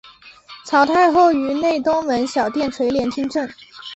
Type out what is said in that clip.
曹太后于内东门小殿垂帘听政。